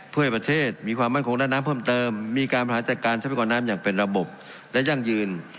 เพื่อให้ประเทศมีความมั่นคงด้านน้ำเพิ่มเติมมีการบริหารจัดการทรัพยากรน้ำอย่างเป็นระบบและยั่งยืน